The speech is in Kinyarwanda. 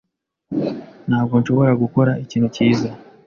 Ntabwo nshobora gukora ikintu cyiza.